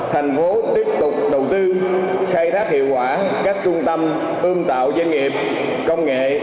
thành phố tiếp tục đầu tư khai thác hiệu quả các trung tâm ươm tạo doanh nghiệp công nghệ